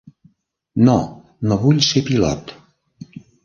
No, no vull ser pilot.